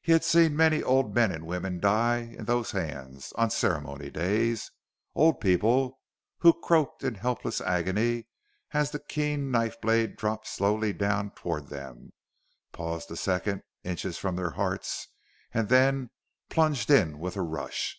He had seen many old men and women die in those hands, on ceremony days old people who croaked in helpless agony as the keen knife blade dropped slowly down toward them, paused a second, inches from their hearts, and then plunged in with a rush.